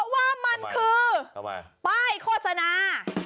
ว่ามันคือป้ายโฆษณา